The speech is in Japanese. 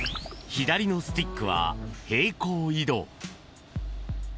左のスティックは平行移動。